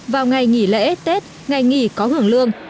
vào ngày nghỉ lễ tết ngày nghỉ có hưởng lương